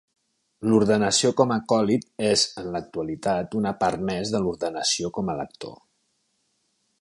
L'ordenació com a acòlit és en l'actualitat una part més de l'ordenació com a lector.